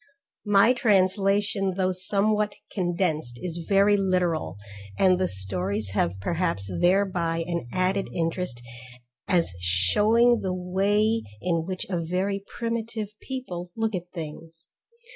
My translation though somewhat condensed is very literal, and the stories have perhaps thereby an added interest as shewing the way in which a very primitive people look at things.